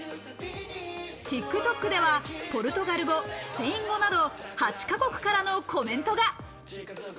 ＴｉｋＴｏｋではポルトガル語、スペイン語など、８か国からのコメントが！